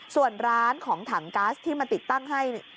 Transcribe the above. ส่วนร้านของถังก๊าซที่มาติดตั้งให้